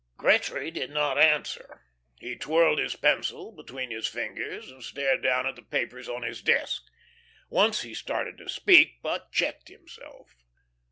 Gretry did not answer. He twirled his pencil between his fingers, and stared down at the papers on his desk. Once he started to speak, but checked himself.